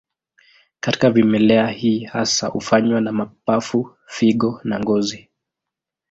Katika vimelea hii hasa hufanywa na mapafu, figo na ngozi.